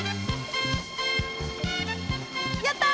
やった！